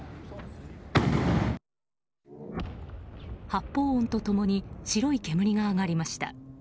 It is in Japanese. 発砲音と共に白い煙が上がりました。